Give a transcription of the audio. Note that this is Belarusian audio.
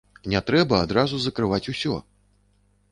Не трэба адразу закрываць усё!